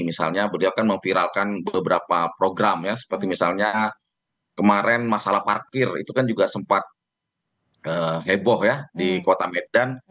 misalnya beliau kan memviralkan beberapa program ya seperti misalnya kemarin masalah parkir itu kan juga sempat heboh ya di kota medan